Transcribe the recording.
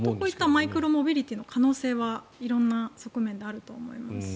マイクロモビリティーの可能性は、色んな側面であると思います。